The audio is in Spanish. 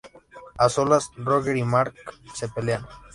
A solas, Roger y Mark se pelean.